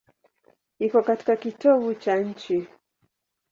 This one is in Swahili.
Iko katika kitovu cha nchi.